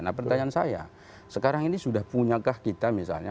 nah pertanyaan saya sekarang ini sudah punyakah kita misalnya